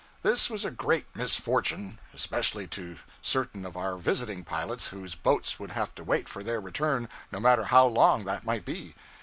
This was a great misfortune, especially to certain of our visiting pilots, whose boats would have to wait for their return, no matter how long that might be.